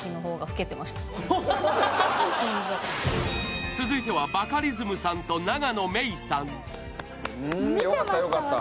もん続いてはバカリズムさんと永野芽郁さん見てました